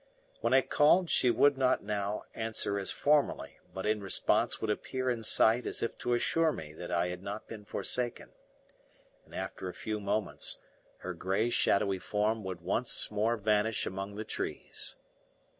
When I called she would not now answer as formerly, but in response would appear in sight as if to assure me that I had not been forsaken; and after a few moments her grey shadowy form would once more vanish among the trees.